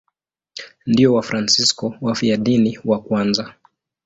Ndio Wafransisko wafiadini wa kwanza.